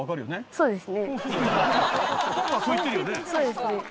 そうです。